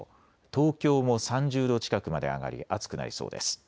東京も３０度近くまで上がり暑くなりそうです。